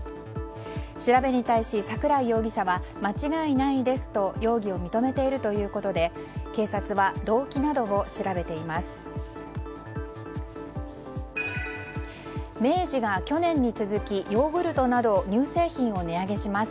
調べに対し、桜井容疑者は間違いないですと容疑を認めているということで警察は動機などを調べています。